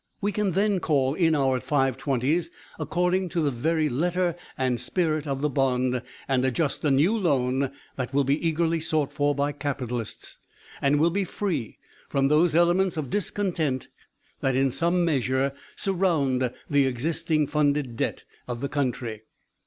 We can then call in our Five twenties according to the very letter and spirit of the bond, and adjust a new loan that will be eagerly sought for by capitalists, and will be free from those elements of discontent that in some measure surround the existing Funded debt of the country.